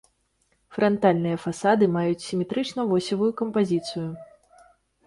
Франтальныя фасады маюць сіметрычна-восевую кампазіцыю.